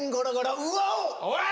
おい！